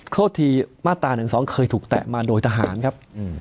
โทษทีมาตรา๑๒เคยถูกแตะมาโดยทหารครับ